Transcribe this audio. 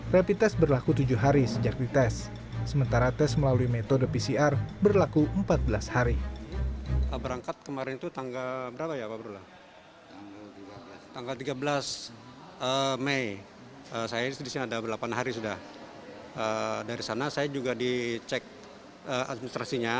repi tes berlaku tujuh hari sejak dites sementara tes melalui metode pcr berlaku empat belas hari